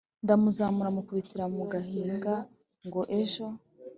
ndamuzamura mukubitira mu gahinga ngo ejo